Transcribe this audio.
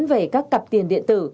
về các cặp tiền điện tử